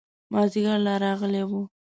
مازدیګر لا راغلی و.